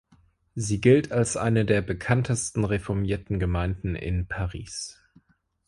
Sie gilt als eine der bekanntesten reformierten Gemeinden in Paris.